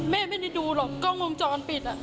แม่ไม่ได้ดูหรอกก็งงจรปิด